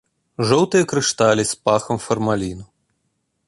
Жоўтыя крышталі з пахам фармаліну.